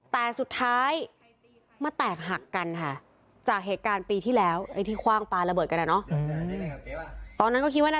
แต่สุดท้ายมาแตกหักกันค่ะ